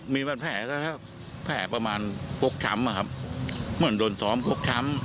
มีแผลก็แผลประมาณโป๊กช้ำอะครับเหมือนโดนท้อมโป๊กช้ำ